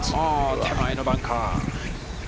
手前のバンカー。